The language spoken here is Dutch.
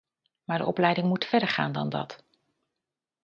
Maar de opleiding moet verder gaan dan dat.